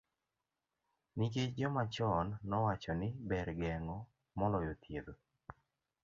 Nikech joma chon nowacho ni ber geng'o moloyo thiedho.